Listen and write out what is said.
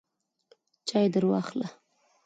چای درواخله !